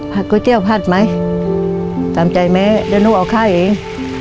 ผัดก๋วยเตี้ยวผัดไหมตามใจไหมเดี๋ยวหนูเอาค่าเอง